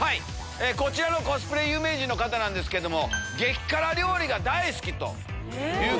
こちらのコスプレ有名人の方ですけども。